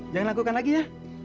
jangan lakukan lagi ya